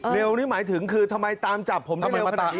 เร็วนี้หมายถึงคือทำไมตามจับผมทำไมเร็วขนาดนี้